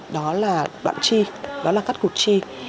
đó là đoạn chi đó là cắt cụt chi